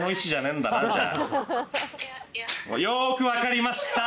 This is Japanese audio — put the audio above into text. よーくわかりました！